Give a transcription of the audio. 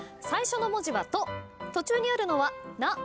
最初の文字は「と」途中にあるのは「な」